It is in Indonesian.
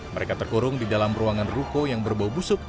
mereka terkurung di dalam ruangan ruko yang berbau busuk